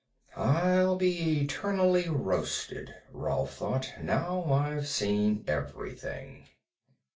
I'll be eternally roasted, Rolf thought. _Now I've seen everything.